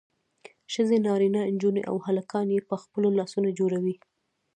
ښځې نارینه نجونې او هلکان یې په خپلو لاسونو جوړوي.